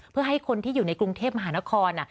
เพื่อให้คนที่อยู่ในกรุงเทพมหานคร